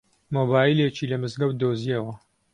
مۆبایلێکی لە مزگەوت دۆزییەوە.